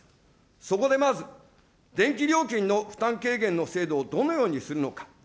そこでまず、電気料金の負担軽減の制度をどのようにするのか。